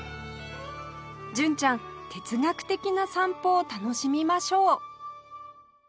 純ちゃん哲学的な散歩を楽しみましょう